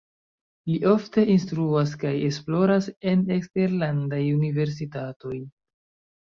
Li ofte instruas kaj esploras en eksterlandaj universitatoj.